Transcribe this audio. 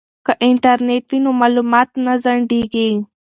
که انټرنیټ وي نو معلومات نه ځنډیږي.